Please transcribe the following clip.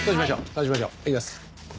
そうしましょう。いきます。